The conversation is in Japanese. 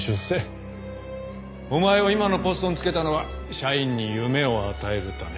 お前を今のポストに就けたのは社員に夢を与えるため。